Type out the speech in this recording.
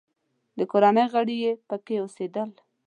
د کورنۍ غړي یې پکې اوسېدل.